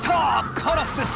カラスです。